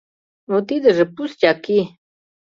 Но тидыже — пустяки!